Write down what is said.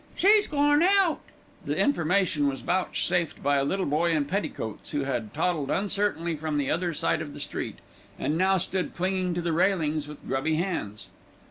"She's gorn out." The information was vouchsafed by a little boy in petticoats, who had toddled uncertainly from the other side of the street, and now stood clinging to the railings with grubby hands.